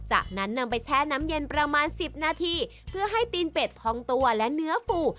จากนั้นนำไปแช่น้ำเย็นประมาณสิบนาทีเพื่อให้ตีนเป็ดพองตัวและเนื้อฟู